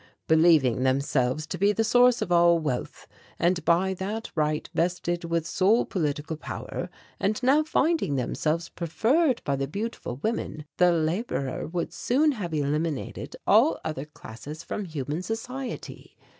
Believing themselves to be the source of all wealth, and by that right vested with sole political power, and now finding themselves preferred by the beautiful women, the labourer would soon have eliminated all other classes from human society.